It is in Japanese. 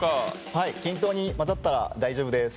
はい均等に混ざったら大丈夫です。